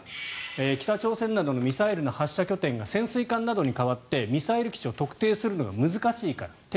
北朝鮮などのミサイルの発射拠点が潜水艦などに変わってミサイル基地を特定するのが難しいから。